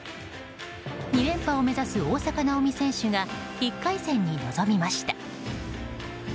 ２連覇を目指す大坂なおみ選手が１回戦に臨みました。